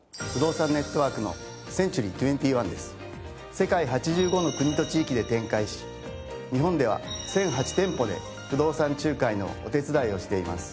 世界８５の国と地域で展開し日本では１００８店舗で不動産仲介のお手伝いをしています。